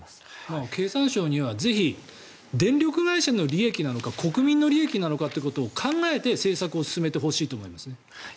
経産省にはぜひ電力会社の利益なのか国民の利益なのかということを考えて政策を進めてほしいと思いますね。